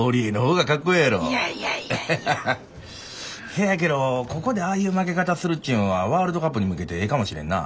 せやけどここでああいう負け方するっちゅうんはワールドカップに向けてええかもしれんな。